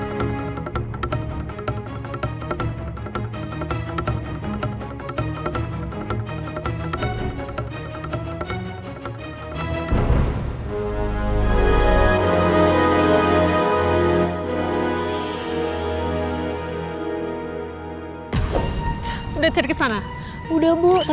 tetap tetapan mas perlukan